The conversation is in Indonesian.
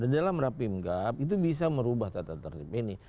di dalam rapim gap itu bisa merubah tata tertib ini